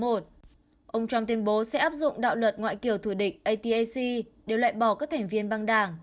ông trump tuyên bố sẽ áp dụng đạo luật ngoại kiểu thủ địch atac đều loại bỏ các thành viên băng đảng